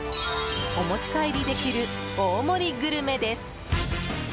お持ち帰りできる大盛りグルメです。